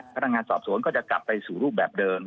พนักงานสอบสวนก็จะกลับไปสู่รูปแบบเดิม